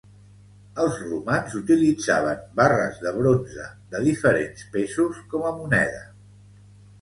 Els romans utilitzaven barres de bronze de diferents pesos com a moneda.